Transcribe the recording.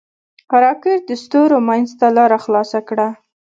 راکټ د ستورو منځ ته لاره خلاصه کړه